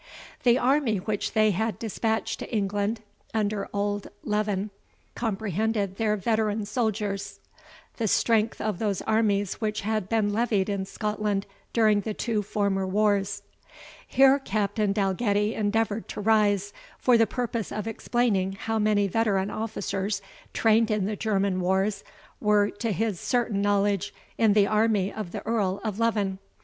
The army which they had dispatched to England under old Leven comprehended their veteran soldiers, the strength of those armies which had been levied in Scotland during the two former wars " Here Captain Dalgetty endeavoured to rise, for the purpose of explaining how many veteran officers, trained in the German wars, were, to his certain knowledge, in the army of the Earl of Leven.